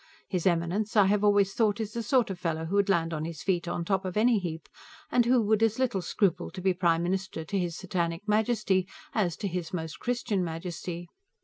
His Eminence, I have always thought, is the sort of fellow who would land on his feet on top of any heap, and who would as little scruple to be Prime Minister to His Satanic Majesty as to His Most Christian Majesty.